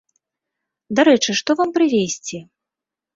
Дарэчы што вам прывезці?